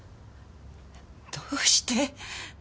どうして？